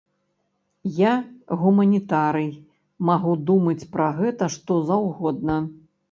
Я, гуманітарый, магу думаць пра гэта што заўгодна.